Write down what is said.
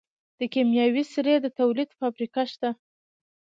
د کیمیاوي سرې د تولید فابریکه شته.